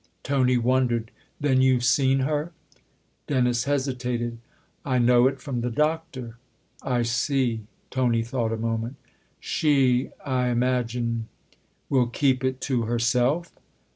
Tony wondered. " Then you've seen her ?" Dennis hesitated. " I know it from the Doctor." " I see " Tony thought a moment. " She, I imagine " "Will keep it to herself?